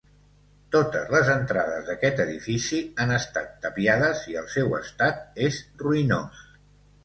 Totes les entrades d'aquest edifici han estat tapiades i el seu estat és ruïnós.